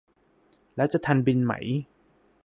แล้วจะทันบินไหม